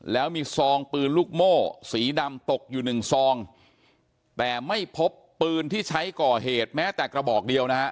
แล้วมีซองปืนลูกโม่สีดำตกอยู่หนึ่งซองแต่ไม่พบปืนที่ใช้ก่อเหตุแม้แต่กระบอกเดียวนะฮะ